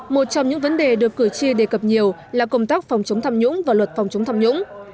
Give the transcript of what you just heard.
một trong những vấn đề được cử tri đề cập nhiều là công tác phòng chống tham nhũng và luật phòng chống tham nhũng